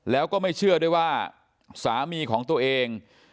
แล้วก็ไม่เชื่อด้วยว่าสามีของตัวเอง